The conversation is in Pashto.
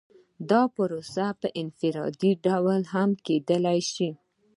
دا پروسه په انفرادي ډول هم کیدای شي.